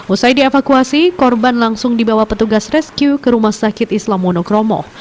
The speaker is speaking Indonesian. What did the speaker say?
usai dievakuasi korban langsung dibawa petugas rescue ke rumah sakit islam monokromo